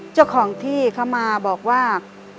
เจ้าของที่เขามาบอกว่า